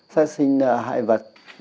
sát sinh là hại vật